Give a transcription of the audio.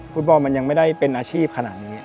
ฟุตบอลมันยังไม่ได้เป็นอาชีพขนาดนี้